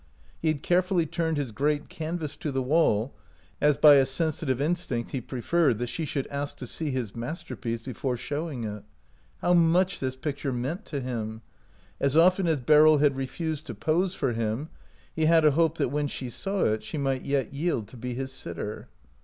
He had carefully turned his great canvas to the wall, as by a sensitive instinct he preferred that she should ask to see his masterpiece before showing it. How much this picture meant to him! As often as Beryl had refused to pose for him he had a hope that when she saw it she might yet yield to be his sitter.